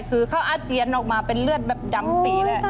คือเขาอาเจียนออกมาเป็นเลือดแบบดำปีเลย